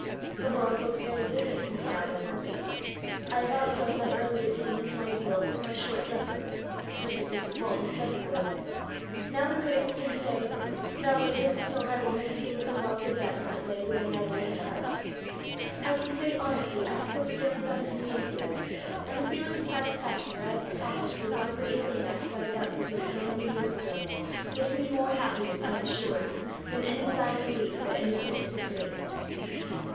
The world looks very different to me now at twenty. I have outgrown my early opinions and ideals with my short dresses, just as Mrs. Walton said we would. Now the critics can say 'Thou waitedst till thy woman's fingers wrought the best that lay within thy woman's heart.' I can say honestly I have put the very best of me into it, and the feeling of satisfaction that I have accomplished the one great thing I started out to do so many years ago, gives me more happiness I am sure, than any 'diamond leaf' that any prince could bring."